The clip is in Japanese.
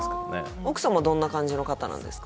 奥様はどんな感じの方なんですか？